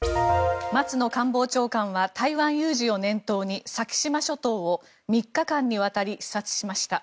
松野官房長官は台湾有事を念頭に先島諸島を３日間にわたり視察しました。